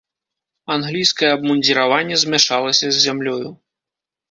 Англійскае абмундзіраванне змяшалася з зямлёю.